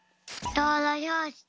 どうろひょうしき！